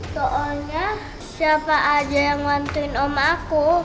soalnya siapa aja yang ngantuin om aku